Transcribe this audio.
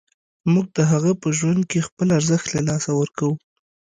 موږ د هغه په ژوند کې خپل ارزښت له لاسه ورکوو.